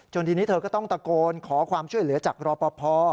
ทีนี้เธอก็ต้องตะโกนขอความช่วยเหลือจากรอปภ